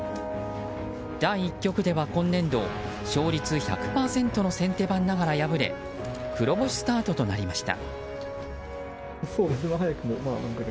第１局では今年度勝率１００％の先手番ながら敗れ黒星スタートとなりました。